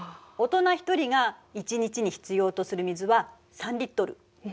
大人１人が１日に必要とする水は３リットル。